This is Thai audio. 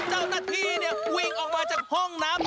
โอ้โฮเจ้าณาธีนี่วิ่งออกมาจากห้องน้ำ